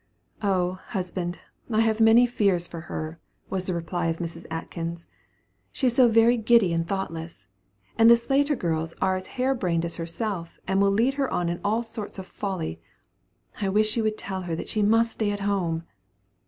"O, husband, I have many fears for her," was the reply of Mrs. Atkins, "she is so very giddy and thoughtless, and the Slater girls are as hair brained as herself, and will lead her on in all sorts of folly. I wish you would tell her that she must stay at home."